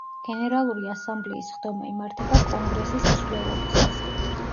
გენერალური ასამბლეის სხდომა იმართება კონგრესის მსვლელობისას.